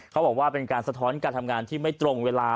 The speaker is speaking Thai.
เขาบอกว่าเป็นการสะท้อนการทำงานที่ไม่ตรงเวลา